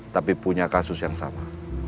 tapi punya kasus yang sama